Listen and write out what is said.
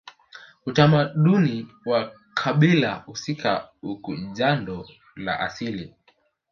Utamaduni wa kabila husika huku jando la asili